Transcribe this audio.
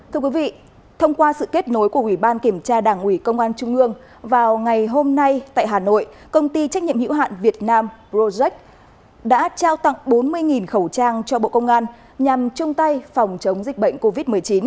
thưa quý vị thông qua sự kết nối của ủy ban kiểm tra đảng ủy công an trung ương vào ngày hôm nay tại hà nội công ty trách nhiệm hữu hạn việt nam projec đã trao tặng bốn mươi khẩu trang cho bộ công an nhằm chung tay phòng chống dịch bệnh covid một mươi chín